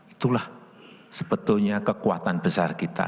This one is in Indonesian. itulah sebetulnya kekuatan besar kita